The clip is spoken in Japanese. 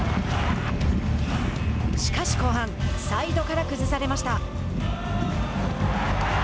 しかし後半サイドから崩されました。